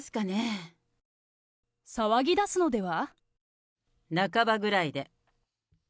騒ぎだすのでは。